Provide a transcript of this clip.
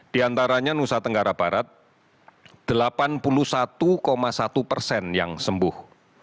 di antaranya nusa tenggara barat delapan puluh satu satu persen yang sembuh